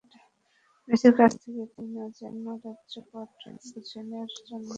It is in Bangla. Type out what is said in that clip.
মেসির কাছ থেকে তিনিও যেন রাজ্যপাট বুঝে নেওয়ার জন্য তৈরি হচ্ছেন।